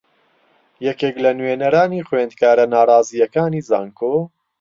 یەکێک لە نوێنەرانی خوێندکارە ناڕازییەکانی زانکۆ